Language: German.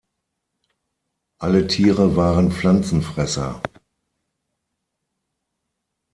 Alle Tiere waren Pflanzenfresser.